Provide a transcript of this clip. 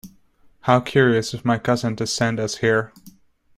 How curious of my cousin to send us here!